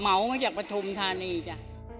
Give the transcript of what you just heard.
เหมาะมาจากประธุมธานีจ้ะ